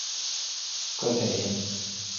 کتھ این۔